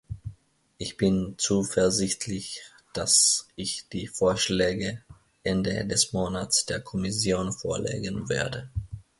Ich bin zuversichtlich, dass ich die Vorschläge Ende des Monats der Kommission vorlegen werde.